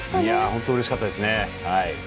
本当にうれしかったです。